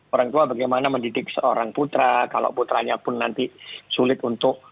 orang tua bagaimana mendidik seorang putra kalau putranya pun nanti sulit untuk